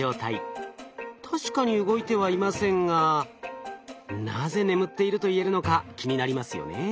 確かに動いてはいませんがなぜ眠っていると言えるのか気になりますよね？